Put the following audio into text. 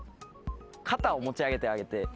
肩を持ち上げてあげて。